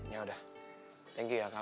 ya udah thank you ya kal